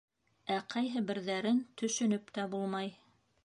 Ә ҡайһы берҙәрен төшөнөп тә булмай.